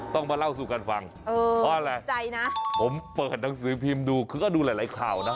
ต้องมาเล่าสู่กันฟังเพราะอะไรนะผมเปิดหนังสือพิมพ์ดูคือก็ดูหลายข่าวนะ